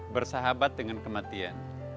bersahabat dengan kematian